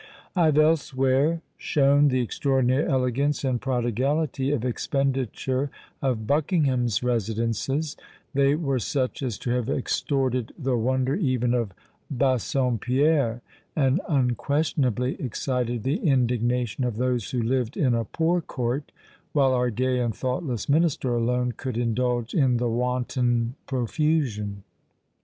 I have elsewhere shown the extraordinary elegance and prodigality of expenditure of Buckingham's residences; they were such as to have extorted the wonder even of Bassompierre, and unquestionably excited the indignation of those who lived in a poor court, while our gay and thoughtless minister alone could indulge in the wanton profusion.